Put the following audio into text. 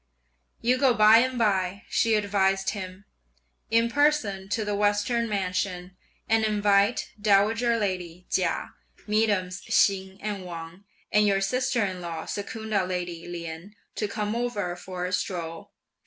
"You go by and by," (she advised him), "in person to the Western Mansion and invite dowager lady Chia, mesdames Hsing and Wang, and your sister in law Secunda lady Lien to come over for a stroll.